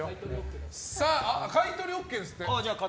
買い取りＯＫですって。